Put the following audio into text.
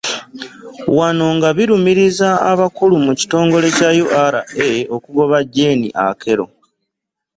Wano nga birumiriza abakulu mu kitongole kya URA okugoba Jane Akello